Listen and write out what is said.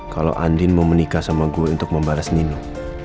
kalau andin mau menikah sama gue untuk membahas nino